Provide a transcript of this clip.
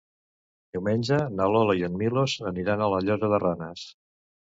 Diumenge na Lola i en Milos aniran a la Llosa de Ranes.